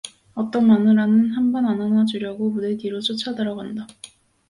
어떤 마누라는 한번 안아나 주려고 무대 뒤로 쫓아들어간다.